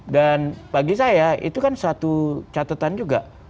dan bagi saya itu kan satu catatan juga